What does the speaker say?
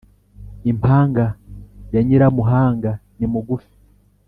impanga ya nyiramuhanga ni mugufi